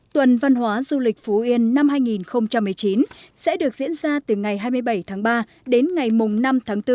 tuần văn hóa du lịch phú yên năm hai nghìn một mươi chín sẽ được diễn ra từ ngày hai mươi bảy tháng ba đến ngày năm tháng bốn